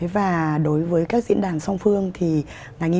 và đối với các diễn đàn song phương thì ngành y